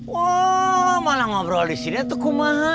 wah malah ngobrol di sini tuh kumaha